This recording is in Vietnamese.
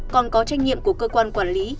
còn có trách nhiệm của cơ quan quản lý